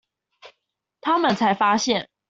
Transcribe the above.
他們才發現